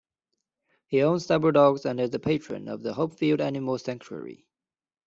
He owns several dogs and is a patron of the Hopefield Animal Sanctuary.